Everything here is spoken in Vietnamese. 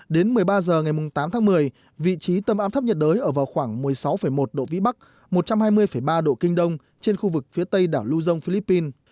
đến một mươi ba h ngày tám tháng một mươi vị trí tâm áp thấp nhiệt đới ở vào khoảng một mươi sáu một độ vĩ bắc một trăm hai mươi ba độ kinh đông trên khu vực phía tây đảo luzon philippines